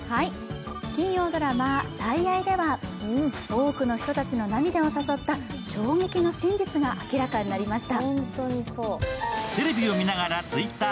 金曜ドラマ「最愛」では、多くの人たちの涙をさそった衝撃の真実が明らかになりました。